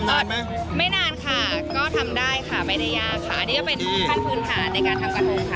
ไม่นานค่ะก็ทำได้ค่ะไม่ได้ยากค่ะอันนี้ก็เป็นขั้นพื้นฐานในการทำกระทงค่ะ